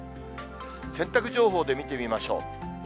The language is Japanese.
洗濯情報で見てみましょう。